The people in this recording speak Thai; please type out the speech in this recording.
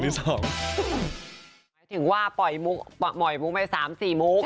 ถึงว่าปล่อยมุกปล่อยมุกไว้๓๔มุกนะคะ